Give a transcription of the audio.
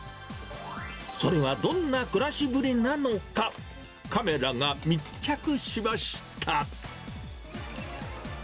それはどんな暮らしぶりなのか、カメラが密着しました。